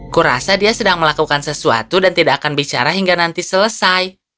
kurasa dia sedang melakukan sesuatu dan tidak akan bicara hingga nanti selesai